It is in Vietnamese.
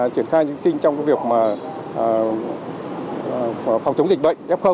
triển khai thí sinh trong cái việc mà phòng chống dịch bệnh f